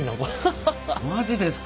マジですか！